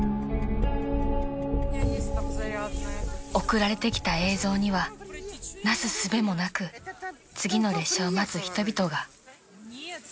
［送られてきた映像にはなすすべもなく次の列車を待つ人々が］